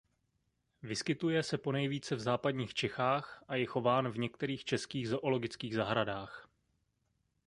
Vyskytuje se ponejvíce v západních Čechách a je chován v některých českých zoologických zahradách.